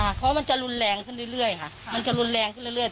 เพราะว่ามันจะรุนแรงขึ้นเรื่อยค่ะมันจะรุนแรงขึ้นเรื่อย